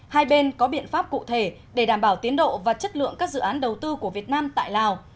hai bên có biện pháp cụ thể để đảm bảo tiến độ và chất lượng các dự án đầu tư của việt nam tại lào